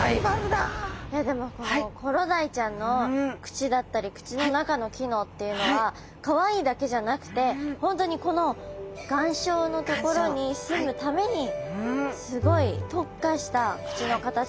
でもこのコロダイちゃんの口だったり口の中の機能っていうのはかわいいだけじゃなくて本当にこの岩礁の所にすむためにすごい特化した口の形だったり生活だったんですね。